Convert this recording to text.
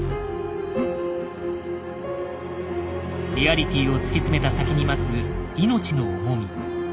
リアリティを突き詰めた先に待つ命の重み。